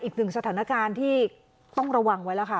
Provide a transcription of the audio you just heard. อีกหนึ่งสถานการณ์ที่ต้องระวังไว้แล้วค่ะ